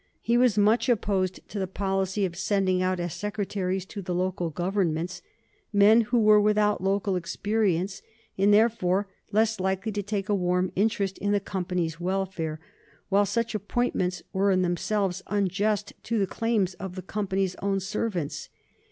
He was much opposed to the policy of sending out as secretaries to the local governments men who were without local experience and therefore less likely to take a warm interest in the Company's welfare, while such appointments were in themselves unjust to the claims of the Company's own servants.